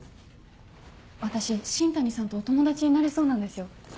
私新谷さんとお友達になれそうなんですよ。